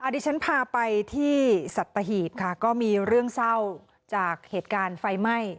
ดิฉันพาไปที่สัตหีบค่ะก็มีเรื่องเศร้าจากเหตุการณ์ไฟไหม้